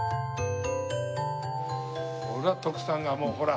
ほら徳さんがもうほら。